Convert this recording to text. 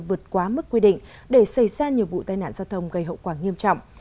vượt quá mức quy định để xây ra nhiều vụ tai nạn giao thông gây hậu quả nghiêm trọng